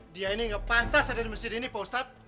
dia ini nggak pantas ada di mesir ini pak ustadz